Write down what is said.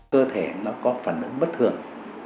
cơ thể nó có phản ứng bất thường